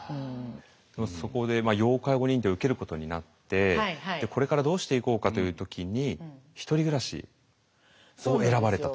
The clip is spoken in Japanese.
そこで要介護認定を受けることになってこれからどうしていこうかという時に「ひとり暮らし」を選ばれた。